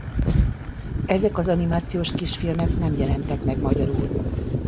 Ezek az animációs kisfilmek nem jelentek meg magyarul.